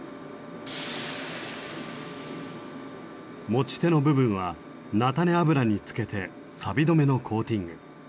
持ち手の部分は菜種油につけてサビ止めのコーティング。